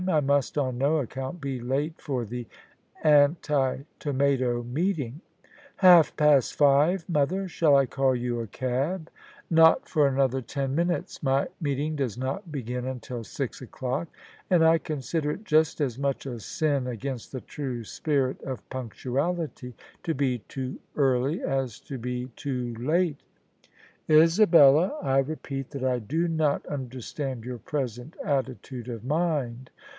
I must on no account be late for the Anti Tomato meeting." " Half past five, mother. Shall I call you a cab? "" Not for another ten minutes. My meeting does not begin until six o'clock: and I consider it just as much a sin against the true spirit of punctuality to be too early as to be OF ISABEL CARNABY too late. Isabella, I repeat that I do not understand your present attitude of mind."